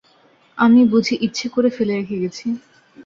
আমি বুঝি ইচ্ছে করে ফেলে রেখে গেছি?